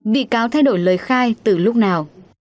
bị cáo thay đổi lời khai từ lúc nào